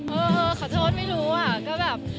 เออขอโทษไม่รู้อ่ะก็แบบ